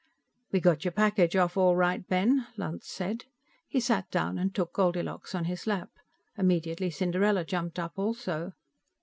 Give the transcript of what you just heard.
"We got your package off all right Ben," Lunt said. He sat down and took Goldilocks on his lap; immediately Cinderella jumped up, also.